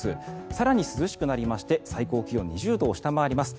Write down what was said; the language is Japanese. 更に、涼しくなりまして最高気温、２０度を下回ります。